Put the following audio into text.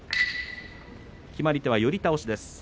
決まり手、寄り倒しです。